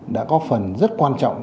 đã có phần rất quan trọng